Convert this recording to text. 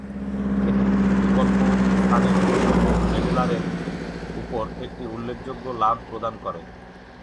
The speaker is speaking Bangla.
এটি বিকল্প স্থানিক প্রসঙ্গ মডেলারের উপর একটি উল্লেখযোগ্য লাভ প্রদান করে।